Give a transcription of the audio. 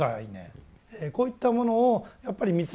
こういったものをやっぱり見つめていくこと。